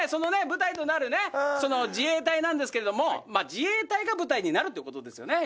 舞台となるねその自衛隊なんですけれども自衛隊が舞台になるってことですよね